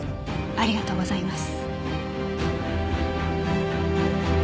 ありがとうございます。